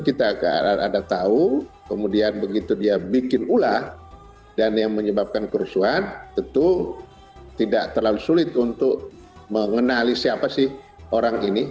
kita ada tahu kemudian begitu dia bikin ulah dan yang menyebabkan kerusuhan tentu tidak terlalu sulit untuk mengenali siapa sih orang ini